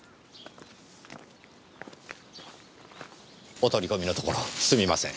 お取り込みのところすみません。